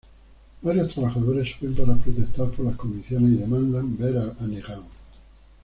Varios trabajadores suben para protestar por las condiciones y demandan ver a Negan.